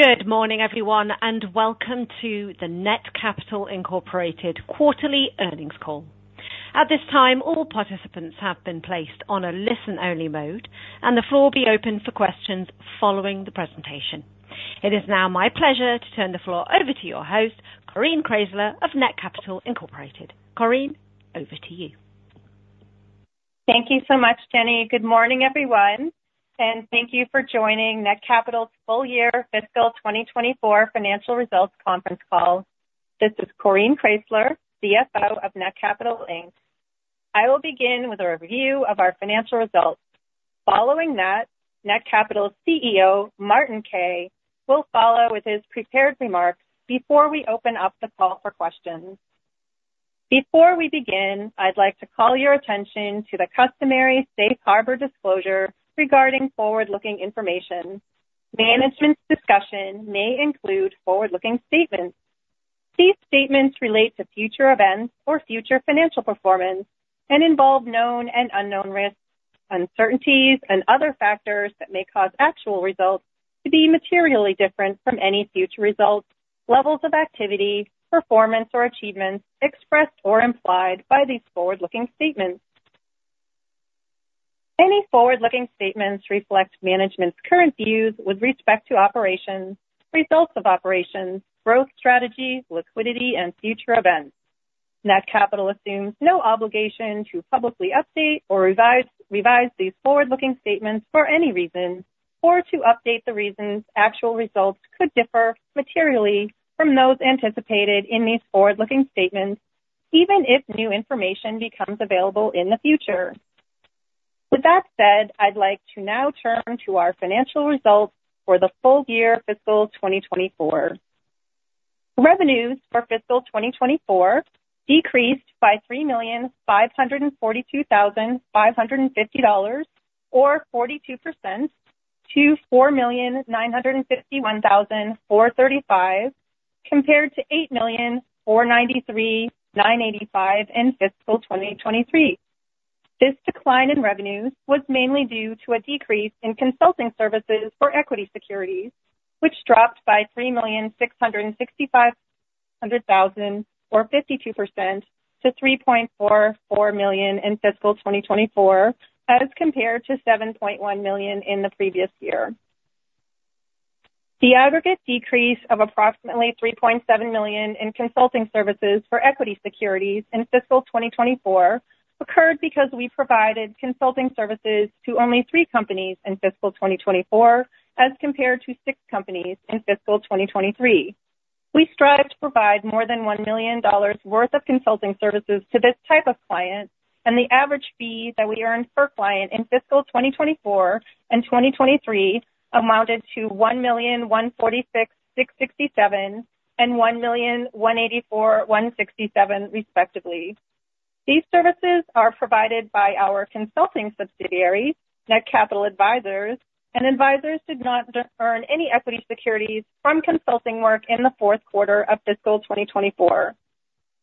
Good morning, everyone, and welcome to the Netcapital Inc. quarterly earnings call. At this time, all participants have been placed on a listen-only mode, and the floor will be open for questions following the presentation. It is now my pleasure to turn the floor over to your host, Coreen Kraysler of Netcapital Inc. Coreen, over to you. Thank you so much, Jenny. Good morning, everyone, and thank you for joining Netcapital's full-year fiscal 2024 financial results conference call. This is Coreen Kraysler, CFO of Netcapital Inc. I will begin with a review of our financial results. Following that, Netcapital's CEO, Martin Kay, will follow with his prepared remarks before we open up the call for questions. Before we begin, I'd like to call your attention to the customary Safe Harbor Disclosure regarding forward-looking information. Management's discussion may include forward-looking statements. These statements relate to future events or future financial performance and involve known and unknown risks, uncertainties, and other factors that may cause actual results to be materially different from any future results, levels of activity, performance, or achievements expressed or implied by these forward-looking statements. Any forward-looking statements reflect management's current views with respect to operations, results of operations, growth strategy, liquidity, and future events. Netcapital assumes no obligation to publicly update or revise these forward-looking statements for any reason or to update the reasons actual results could differ materially from those anticipated in these forward-looking statements, even if new information becomes available in the future. With that said, I'd like to now turn to our financial results for the full-year fiscal 2024. Revenues for fiscal 2024 decreased by $3,542,550 or 42% to $4,951,435, compared to $8,493,985 in fiscal 2023. This decline in revenues was mainly due to a decrease in consulting services for equity securities, which dropped by $3,665,000 or 52% to $3.44 million in fiscal 2024, as compared to $7.1 million in the previous year. The aggregate decrease of approximately $3.7 million in consulting services for equity securities in fiscal 2024 occurred because we provided consulting services to only three companies in fiscal 2024, as compared to six companies in fiscal 2023. We strive to provide more than $1 million worth of consulting services to this type of client, and the average fee that we earned per client in fiscal 2024 and 2023 amounted to $1,146,667 and $1,184,167, respectively. These services are provided by our consulting subsidiary, Netcapital Advisors, and advisors did not earn any equity securities from consulting work in the fourth quarter of fiscal 2024.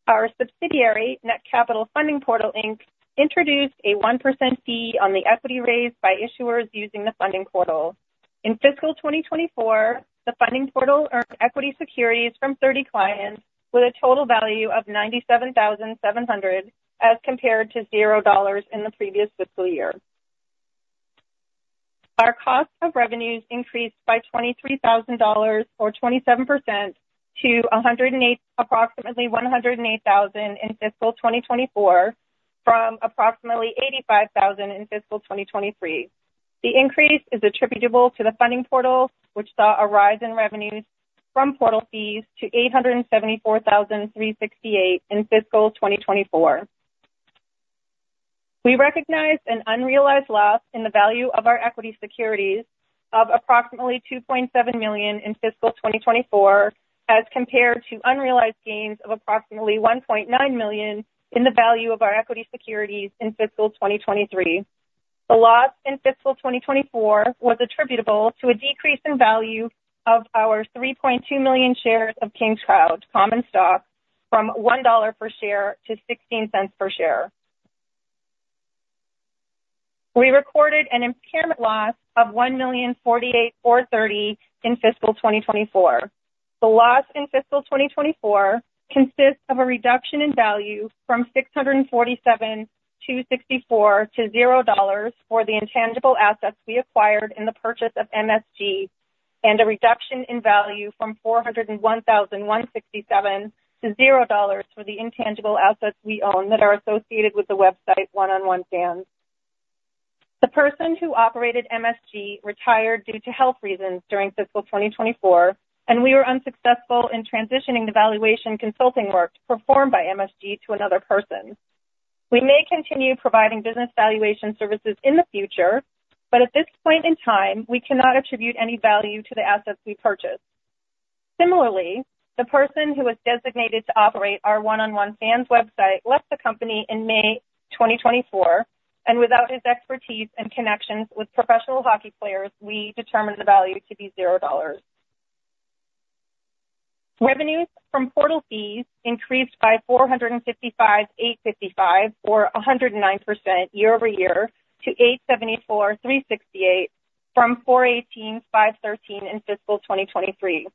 Our subsidiary, Netcapital Funding Portal Inc., introduced a 1% fee on the equity raised by issuers using the funding portal. In fiscal 2024, the funding portal earned equity securities from 30 clients with a total value of $97,700, as compared to $0 in the previous fiscal year. Our cost of revenues increased by $23,000 or 27% to approximately $108,000 in fiscal 2024, from approximately $85,000 in fiscal 2023. The increase is attributable to the funding portal, which saw a rise in revenues from portal fees to $874,368 in fiscal 2024. We recognize an unrealized loss in the value of our equity securities of approximately $2.7 million in fiscal 2024, as compared to unrealized gains of approximately $1.9 million in the value of our equity securities in fiscal 2023. The loss in fiscal 2024 was attributable to a decrease in value of our 3.2 million shares of KingsCrowd common stock from $1 per share to $0.16 per share. We recorded an impairment loss of $1,048,430 in fiscal 2024. The loss in fiscal 2024 consists of a reduction in value from $647,264 to $0 for the intangible assets we acquired in the purchase of MST, and a reduction in value from $401,167 to $0 for the intangible assets we own that are associated with the website 1-on-1 Scans. The person who operated MST retired due to health reasons during fiscal 2024, and we were unsuccessful in transitioning the valuation consulting work performed by MST to another person. We may continue providing business valuation services in the future, but at this point in time, we cannot attribute any value to the assets we purchased. Similarly, the person who was designated 1-on-1 Scans website left the company in May 2024, and without his expertise and connections with professional hockey players, we determined the value to be $0. Revenues from portal fees increased by $455,855 or 109% year over year to $874,368 from $418,513 in fiscal 2023.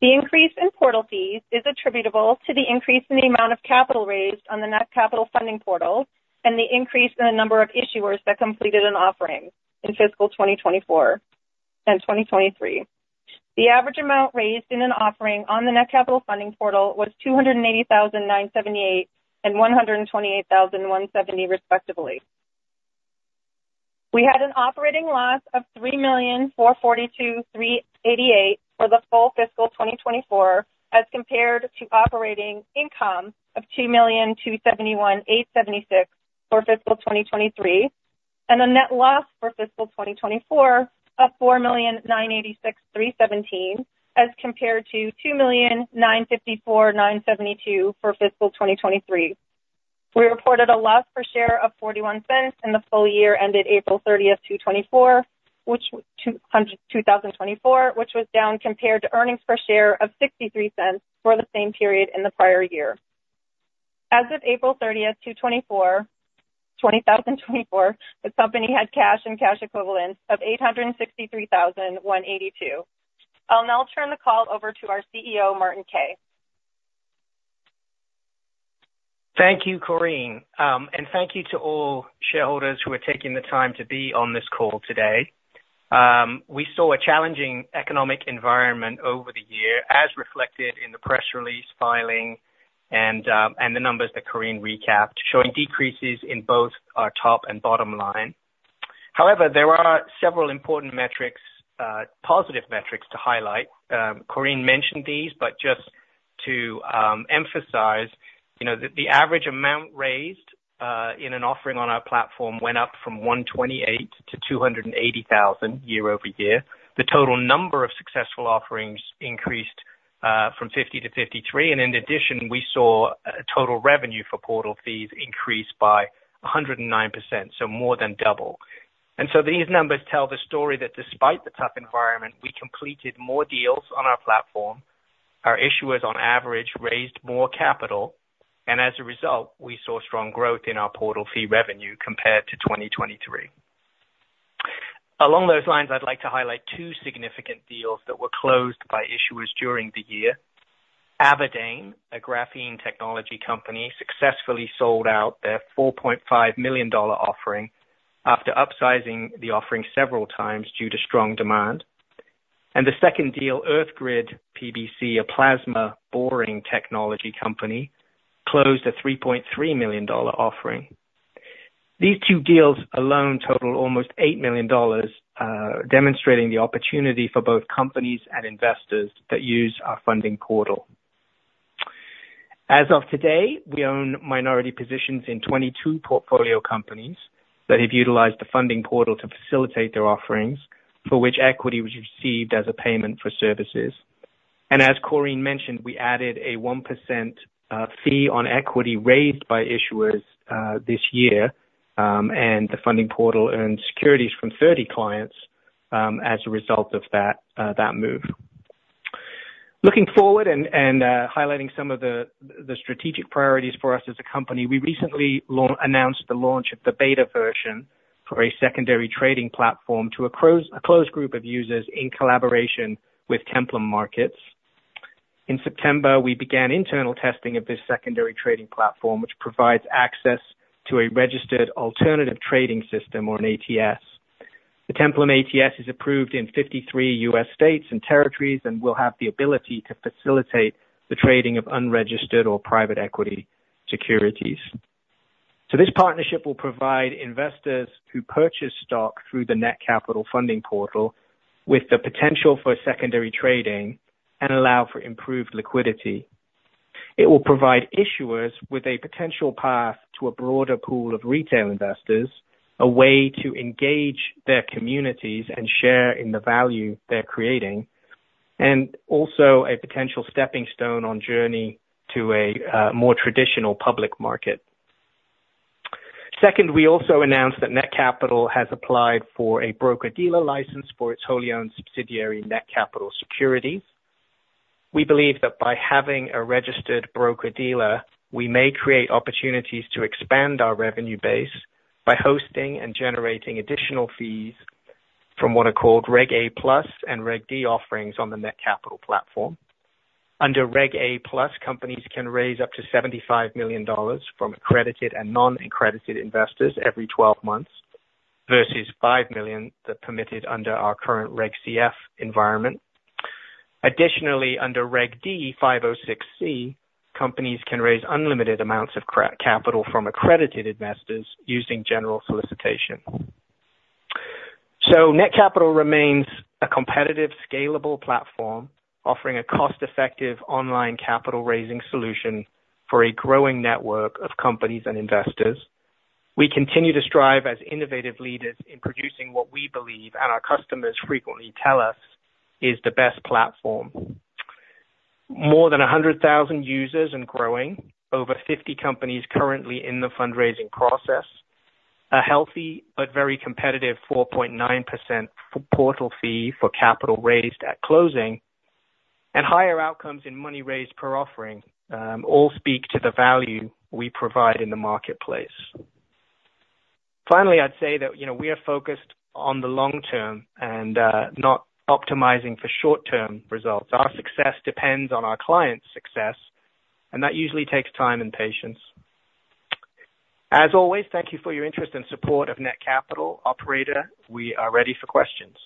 The increase in portal fees is attributable to the increase in the amount of capital raised on the Netcapital Funding Portal and the increase in the number of issuers that completed an offering in fiscal 2024 and 2023. The average amount raised in an offering on the Netcapital Funding Portal was $280,978 and $128,170, respectively. We had an operating loss of $3,442,388 for the full fiscal 2024, as compared to operating income of $2,271,876 for fiscal 2023, and a net loss for fiscal 2024 of $4,986,317, as compared to $2,954,972 for fiscal 2023. We reported a loss per share of $0.41 in the full year ended April 30, 2024, which was down compared to earnings per share of $0.63 for the same period in the prior year. As of April 30, 2024, the company had cash and cash equivalents of $863,182. I'll now turn the call over to our CEO, Martin Kay. Thank you, Coreen, and thank you to all shareholders who are taking the time to be on this call today. We saw a challenging economic environment over the year, as reflected in the press release filing and the numbers that Coreen recapped, showing decreases in both our top and bottom line. However, there are several important metrics, positive metrics to highlight. Coreen mentioned these, but just to emphasize, the average amount raised in an offering on our platform went up from $128,000 to $280,000 year-over-year. The total number of successful offerings increased from 50 to 53. And in addition, we saw total revenue for portal fees increase by 109%, so more than double. And so these numbers tell the story that despite the tough environment, we completed more deals on our platform. Our issuers, on average, raised more capital, and as a result, we saw strong growth in our portal fee revenue compared to 2023. Along those lines, I'd like to highlight two significant deals that were closed by issuers during the year. Avadain, a graphene technology company, successfully sold out their $4.5 million offering after upsizing the offering several times due to strong demand. The second deal, EarthGrid PBC, a plasma boring technology company, closed a $3.3 million offering. These two deals alone totaled almost $8 million, demonstrating the opportunity for both companies and investors that use our funding portal. As of today, we own minority positions in 22 portfolio companies that have utilized the funding portal to facilitate their offerings, for which equity was received as a payment for services. As Coreen mentioned, we added a 1% fee on equity raised by issuers this year, and the funding portal earned securities from 30 clients as a result of that move. Looking forward and highlighting some of the strategic priorities for us as a company, we recently announced the launch of the beta version for a secondary trading platform to a closed group of users in collaboration with Templum Markets. In September, we began internal testing of this secondary trading platform, which provides access to a registered alternative trading system or an ATS. The Templum ATS is approved in 53 U.S. states and territories and will have the ability to facilitate the trading of unregistered or private equity securities. This partnership will provide investors who purchase stock through the Netcapital Funding Portal with the potential for secondary trading and allow for improved liquidity. It will provide issuers with a potential path to a broader pool of retail investors, a way to engage their communities and share in the value they're creating, and also a potential stepping stone on journey to a more traditional public market. Second, we also announced that Netcapital has applied for a broker-dealer license for its wholly owned subsidiary Netcapital Securities. We believe that by having a registered broker-dealer, we may create opportunities to expand our revenue base by hosting and generating additional fees from what are called Reg A+ and Reg D offerings on the Netcapital platform. Under Reg A+, companies can raise up to $75 million from accredited and non-accredited investors every 12 months versus $5 million that are permitted under our current Reg CF environment. Additionally, under Reg D 506(c), companies can raise unlimited amounts of capital from accredited investors using general solicitation. So Netcapital remains a competitive, scalable platform offering a cost-effective online capital-raising solution for a growing network of companies and investors. We continue to strive as innovative leaders in producing what we believe and our customers frequently tell us is the best platform. More than 100,000 users and growing, over 50 companies currently in the fundraising process, a healthy but very competitive 4.9% portal fee for capital raised at closing, and higher outcomes in money raised per offering all speak to the value we provide in the marketplace. Finally, I'd say that we are focused on the long term and not optimizing for short-term results. Our success depends on our clients' success, and that usually takes time and patience. As always, thank you for your interest and support of Netcapital. Operator, we are ready for questions.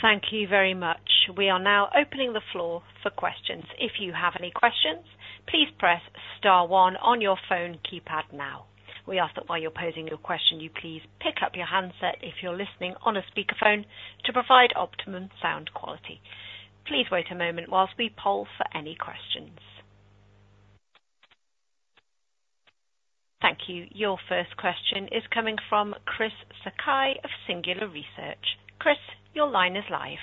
Thank you very much. We are now opening the floor for questions. If you have any questions, please press star one on your phone keypad now. We ask that while you're posing your question, you please pick up your handset if you're listening on a speakerphone to provide optimum sound quality. Please wait a moment whilst we poll for any questions. Thank you. Your first question is coming from Chris Sakai of Singular Research. Chris, your line is live.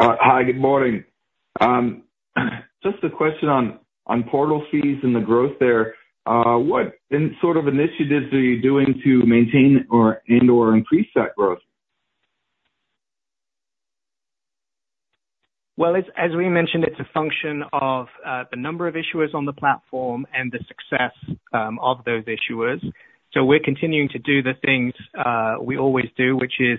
Hi, good morning. Just a question on portal fees and the growth there. What sort of initiatives are you doing to maintain and/or increase that growth? Well, as we mentioned, it's a function of the number of issuers on the platform and the success of those issuers. So we're continuing to do the things we always do, which is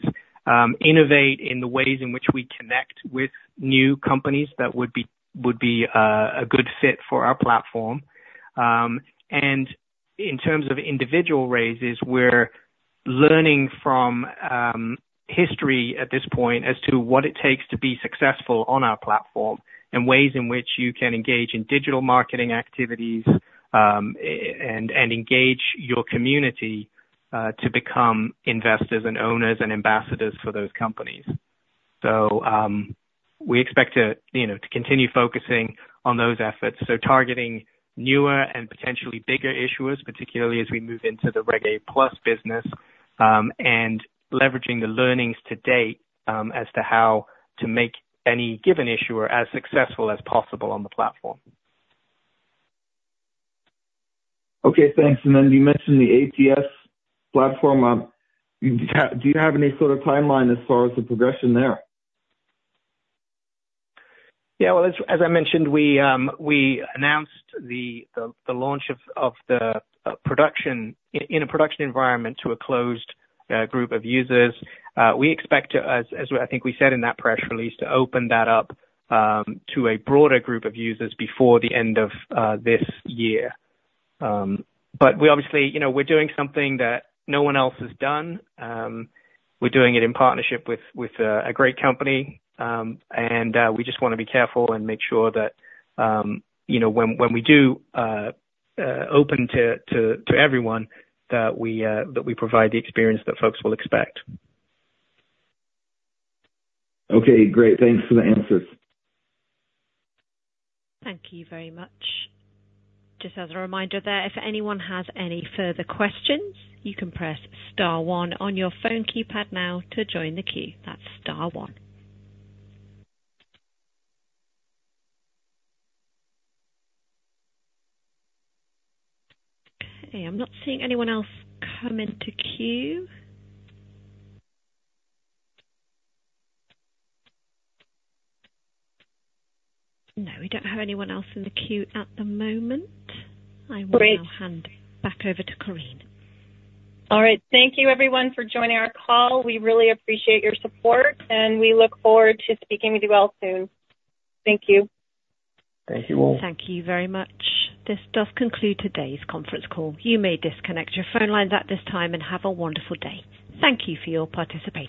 innovate in the ways in which we connect with new companies that would be a good fit for our platform. And in terms of individual raises, we're learning from history at this point as to what it takes to be successful on our platform and ways in which you can engage in digital marketing activities and engage your community to become investors and owners and ambassadors for those companies. So we expect to continue focusing on those efforts, so targeting newer and potentially bigger issuers, particularly as we move into the Reg A+ business and leveraging the learnings to date as to how to make any given issuer as successful as possible on the platform. Okay, thanks. And then you mentioned the ATS platform. Do you have any sort of timeline as far as the progression there? Yeah, well, as I mentioned, we announced the launch of the production in a production environment to a closed group of users. We expect, as I think we said in that press release, to open that up to a broader group of users before the end of this year. But we're obviously doing something that no one else has done. We're doing it in partnership with a great company, and we just want to be careful and make sure that when we do open to everyone, that we provide the experience that folks will expect. Okay, great. Thanks for the answers. Thank you very much. Just as a reminder there, if anyone has any further questions, you can press star one on your phone keypad now to join the queue. That's star one. Okay, I'm not seeing anyone else come into queue. No, we don't have anyone else in the queue at the moment. I will now hand back over to Coreen. All right, thank you everyone for joining our call. We really appreciate your support, and we look forward to speaking with you all soon. Thank you. Thank you all. Thank you very much. This does conclude today's conference call. You may disconnect your phone lines at this time and have a wonderful day. Thank you for your participation.